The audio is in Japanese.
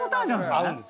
合うんです